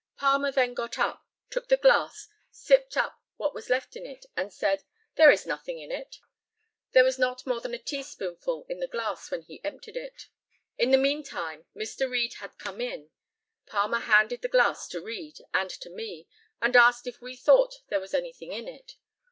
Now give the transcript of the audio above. Palmer then got up, took the glass, sipped up what was left in it, and said, "There is nothing in it." There was not more than a teaspoonful in the glass when he emptied it. In the mean time Mr. Read had come in. Palmer handed the glass to Read and to me, and asked if we thought there was anything in it.